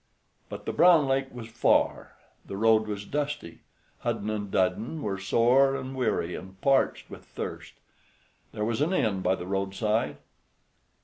But the Brown Lake was far, the road was dusty, Hudden and Dudden were sore and weary, and parched with thirst. There was an inn by the roadside.